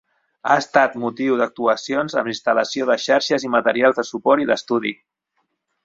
Ha estat motiu d'actuacions amb instal·lació de xarxes i materials de suport, i d'estudi.